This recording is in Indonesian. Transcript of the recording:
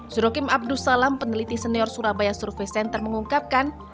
surokim abdus salam peneliti senior surabaya survey center mengungkapkan